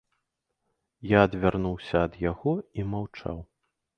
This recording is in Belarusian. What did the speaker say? Я адвярнуўся ад яго і маўчаў.